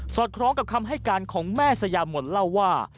อดคล้องกับคำให้การของแม่สยามนเล่าว่า